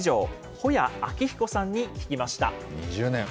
保谷彰彦さんに聞きました。